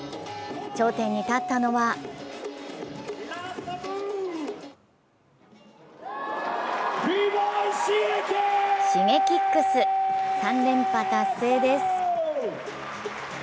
頂点に立ったのはＳｈｉｇｅｋｉｘ、３連覇達成です。